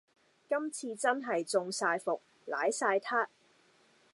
今次真係中晒伏，瀨晒撻